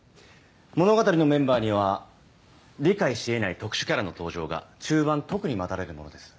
物語のメンバーには理解しえない特殊キャラの登場が中盤特に待たれるものです